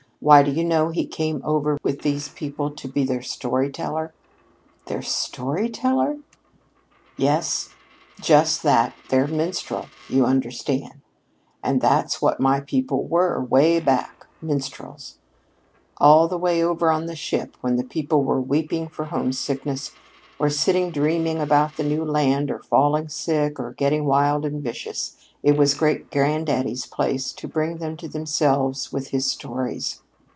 Why, do you know, he came over with these people to be their story teller!" "Their story teller?" "Yes, just that their minstrel, you understand. And that's what my people were, 'way back, minstrels. All the way over on the ship, when the people were weeping for homesickness, or sitting dreaming about the new land, or falling sick, or getting wild and vicious, it was great granddaddy's place to bring them to themselves with his stories.